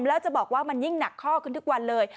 แล้วจะบอกว่ามันยิ่งหนักข้อขึ้นทุกวันเลย